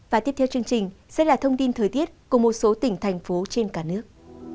và tiếp theo chương trình sẽ là thông tin thời tiết của một số tỉnh thành phố trên cả nước